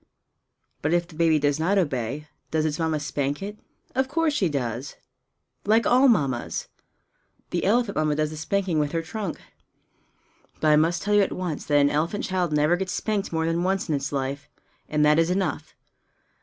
But if the baby does not obey, does its Mamma spank it? Of course she does like all Mammas! The elephant Mamma does the spanking with her trunk. But I must tell you at once that an elephant child never gets spanked more than once in its life and that is enough!